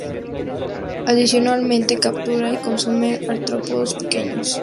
Adicionalmente captura y consume artrópodos pequeños.